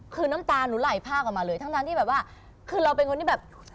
คือน้ำตาหนูไหลภาคออกมาเลยทั้งที่แบบว่าคือเราเป็นคนที่แบบ